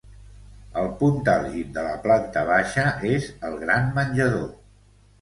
El punt àlgid de la planta baixa és el gran menjador.